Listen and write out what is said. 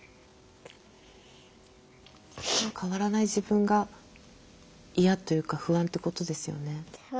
変わらない自分が嫌というか不安ってことですよね。